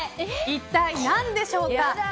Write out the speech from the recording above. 一体何でしょうか。